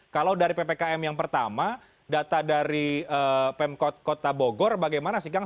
kalau dari ppkm yang pertama data dari pemkot kota bogor bagaimana sih kang